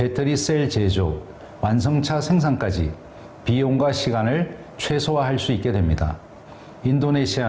terima kasih